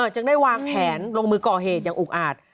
จึงได้วางแผนลงมือก่อเหตุอย่างอุกอาจ